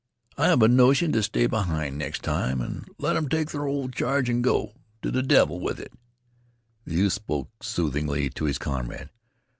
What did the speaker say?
I have a notion t' stay behind next time an' let 'em take their ol' charge an' go t' th' devil with it." The youth spoke soothingly to his comrade.